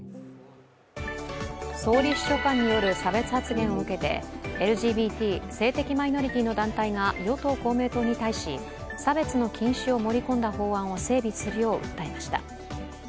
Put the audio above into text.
総理秘書官による差別発言を受けてＬＧＢＴ＝性的マイノリティの団体が与党・公明党に対し差別の禁止を盛り込んだ法案を整備するよう訴えました。